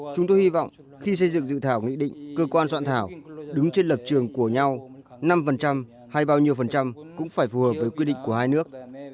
chúng tôi hy vọng khi xây dựng dự thảo nghị định cơ quan soạn thảo đứng trên lập trường của nhau năm hay bao nhiêu phần trăm cũng phải phù hợp với quy định của hai nước